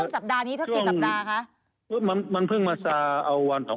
ช่วงต้นสัปดาห์นี้ทีสัปดาห์ค่ะ